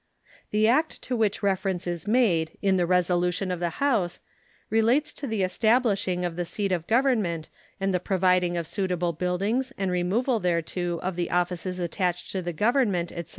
The act to which reference is made in the resolution of the House relates to the establishing of the seat of Government and the providing of suitable buildings and removal thereto of the offices attached to the Government, etc.